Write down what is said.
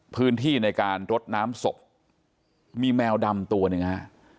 พื้นที่ในการรดน้ำศพมีแมวดำตัวหนึ่งฮะ